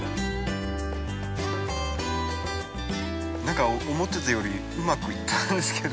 何か思ってたよりうまくいったんですけど。